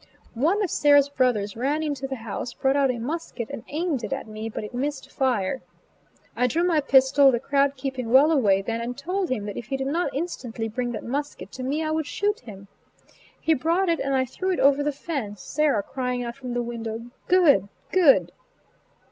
One of Sarah's brothers ran into the house, brought out a musket and aimed it at me; but it missed fire. I drew my pistol the crowd keeping well away then, and told him that if he did not instantly bring that musket to me I would shoot him. He brought it, and I threw it over the fence, Sarah crying out from the window, "good! good!"